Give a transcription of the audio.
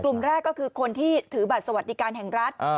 กลุ่มแรกก็คือคนที่ถือบัตรสวัสดิการแห่งรัฐ